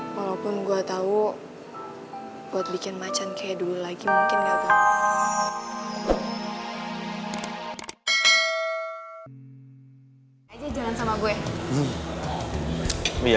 walaupun gue tahu buat bikin macan kayak dulu lagi mungkin gak tahu